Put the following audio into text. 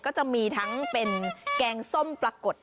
ก็จะมีทั้งเป็นแกงส้มปรากฏ